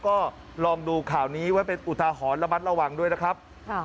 ก็ลองดูข่าวนี้ไว้เป็นอุทาหรณ์ระมัดระวังด้วยนะครับ